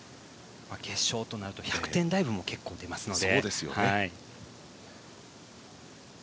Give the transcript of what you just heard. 決勝となると１００点ダイブも結構出ますので。